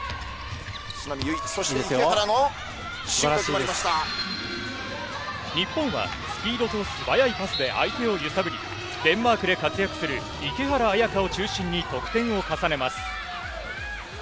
そして、日本はスピードと素早いパスで相手を揺さぶり、デンマークで活躍する池原綾香を中心に、得点を重ねます。